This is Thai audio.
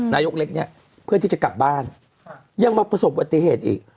นายกเล็กเนี่ยเพื่อที่จะกลับบ้านยังมาประสบปฏิเหตุอีก